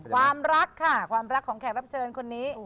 ความรักค่ะความรักของแขกรับเชิญคนนี้